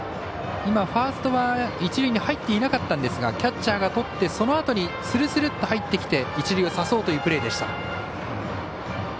ファーストは一塁に入ってなかったんですがキャッチャーがとってそのあとにスルスルッと入ってきて一塁を刺そうというプレーでした。